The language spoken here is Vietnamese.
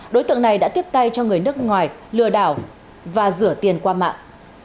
đối tượng này đã tiếp tay cho người nước ngoài lừa đảo và rửa tiền qua mạng